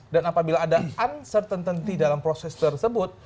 dan apabila ada uncertainty dalam proses tersebut